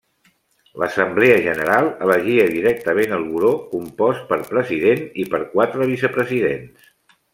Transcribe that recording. L'Assemblea general elegia directament el Buró compost pel President i per quatre vicepresidents.